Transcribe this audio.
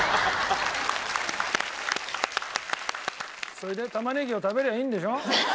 それで玉ねぎを食べりゃあいいんでしょ。